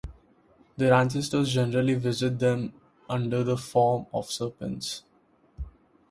Their ancestors generally visit them under the form of serpents.